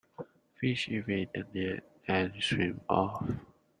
Fish evade the net and swim off.